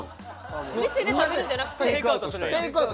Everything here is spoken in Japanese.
店で食べるんじゃなくて。